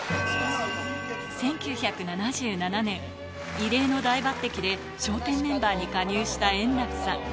１９７７年、異例の大抜てきで笑点メンバーに加入した円楽さん。